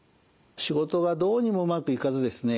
仕事がどうにもうまくいかずですね